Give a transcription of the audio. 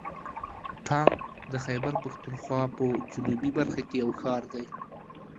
ټانک د خیبر پښتونخوا په جنوبي برخه کې یو ښار دی.